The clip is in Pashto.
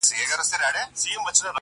اوس به مي غوږونه تر لحده وي کاڼه ورته!.